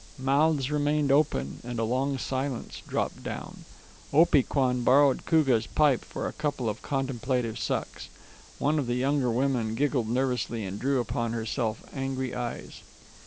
Mouths remained open, and a long silence dropped down. Ope Kwan borrowed Koogah's pipe for a couple of contemplative sucks. One of the younger women giggled nervously and drew upon herself angry eyes.